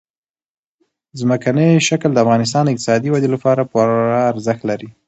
ځمکنی شکل د افغانستان د اقتصادي ودې لپاره پوره ارزښت لري.